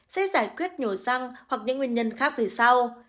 sẽ giải quyết nhổ răng hoặc những nguyên nhân khác về sau